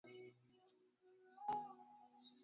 wakulima hawana budi kuongeza thamani ya budhaa